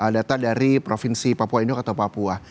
data dari provinsi papua induk atau papua